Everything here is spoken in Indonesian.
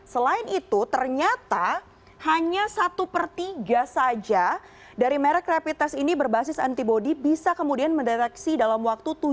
selain itu ternyata hanya satu per tiga saja dari merek rapid test ini berbasis antibody bisa kemudian mendeteksi dalam waktu tujuh hari